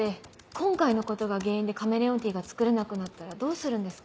今回のことが原因でカメレオンティーが作れなくなったらどうするんですか？